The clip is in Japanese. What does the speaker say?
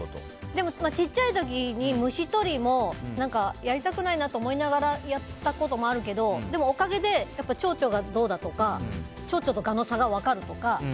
でも小さい時に虫とりもやりたくないなと思いながらやったこともあるけどでも、おかげでチョウチョがどうだとかチョウチョウとガの違いが分かったりとか。